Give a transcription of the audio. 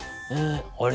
「あれ？